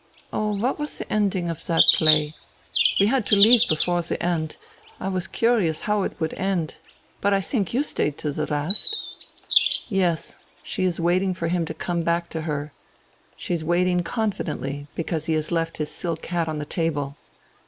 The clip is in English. ... Oh, what was the ending of that play ? We had to leave before the end. I was curious how it would end. But I think you stayed to the last ?" "Yes. ... She is waiting for him to come back to her. She is waiting confidently because he has left his silk hat on the table.